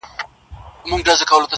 o د نظرونو په بدل کي مي فکرونه راوړل.